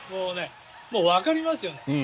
もうわかりますよ。